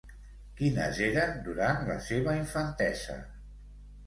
Quines eren durant la seva infantesa?